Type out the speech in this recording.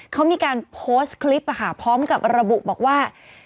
เขามีการโพสต์คลิปพร้อมกับระบุบอกว่า